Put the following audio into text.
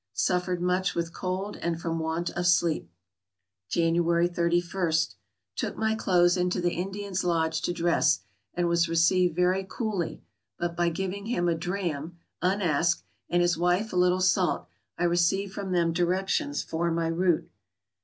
Suffered much with cold and from want of sleep. January ji. — Took my clothes into the Indian's lodge to dress, and was received very coolly, but by giving him a dram (unasked), and his wife a little salt, I received from them directions for my route.